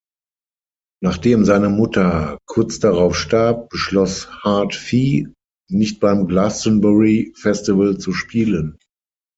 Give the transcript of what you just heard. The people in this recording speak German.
Nachdem seine Mutter kurz darauf starb, beschloss Hard-Fi nicht beim Glastonbury Festival zu spielen.